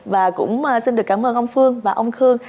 và cũng xin được cảm ơn ông phương và ông khương